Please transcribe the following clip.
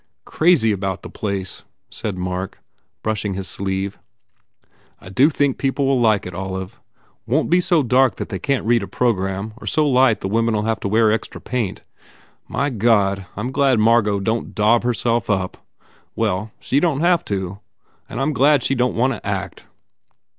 "Crazy about the place," said Mark, brushing his sleeve, "I do think people will like it, Olive. Won t be" so dark that they can t read a program or so light the women ll have to wear extra paint. My God, I m glad Margot don t daub herself up! Well, she don t have to. And I m glad she don t want to act."